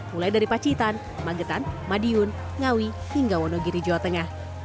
mulai dari pacitan magetan madiun ngawi hingga wonogiri jawa tengah